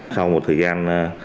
sau một thời gian